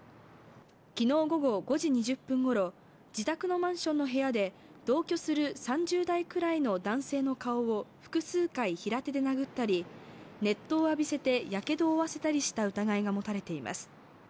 昨日午後５時２０分ごろ、自宅のマンションの部屋で同居する３０代くらいの男性の顔を複数回平手で殴ったり、熱湯を浴びせてやけどを負わせたりした疑いが持たれています。